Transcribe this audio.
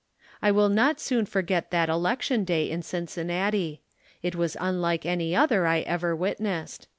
I will not soon forget that election day in Cin cinnati. It was unlike any other I ever witnessed.